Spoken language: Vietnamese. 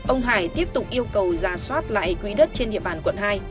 ông hải tiếp tục yêu cầu giả soát lại quỹ đất trên địa bàn quận hai